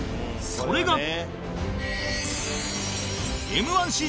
それが